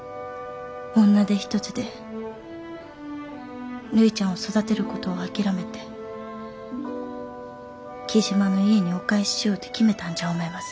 女手一つでるいちゃんを育てることを諦めて雉真の家にお返ししようと決めたんじゃ思います。